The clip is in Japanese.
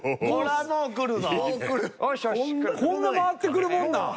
こんな回ってくるもんなん？